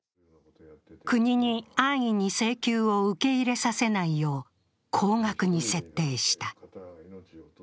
国に安易に請求を受け入れさせないよう、高額に設定した。